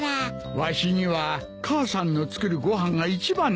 わしには母さんの作るご飯が一番だ。